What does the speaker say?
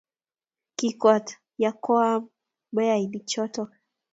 Kikwat ya koam mayainik choto